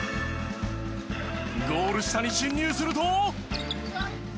ゴール下に進入すると。